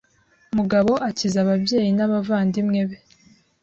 Mugabo akiza ababyeyi n'abavandimwe be